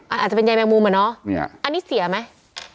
อาจจะเป็นใยแมงมุมอะเนาะอันนี้เสียไหม